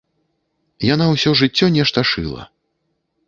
Яна ўсё жыццё нешта шыла.